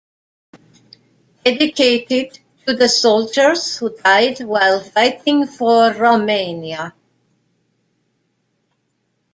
Dedicated to the soldiers who died while fighting for Romania.